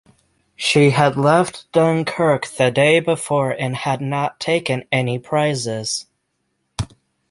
She had left Dunkirk the day before and had not taken any prizes.